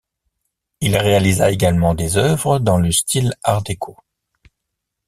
Il réalisa également des œuvres dans le style Art déco.